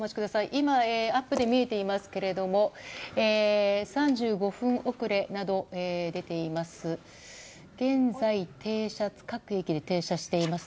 今アップで見えていますが３５分遅れなど出ています。